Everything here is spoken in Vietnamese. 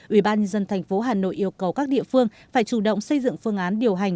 ủy ban nhân dân thành phố hà nội yêu cầu các địa phương phải chủ động xây dựng phương án điều hành